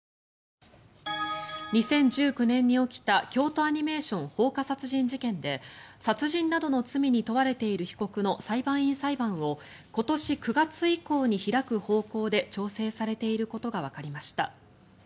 ２０１９年に起きた京都アニメーション放火殺人事件で殺人などの罪に問われている被告の裁判員裁判を今年９月以降に開く方向で調整されていることがわかりました。